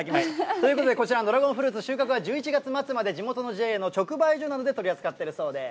ということで、こちらのドラゴンフルーツ、収穫は１１月末まで、地元ＪＡなどの直売所などで取り扱っているそうです。